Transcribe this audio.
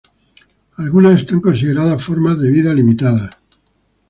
Algunas son consideradas formas de vida limitadas.